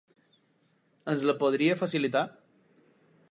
Ens la podria facilitar?